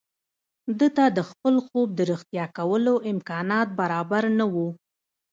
ده ته د خپل خوب د رښتيا کولو امکانات برابر نه وو.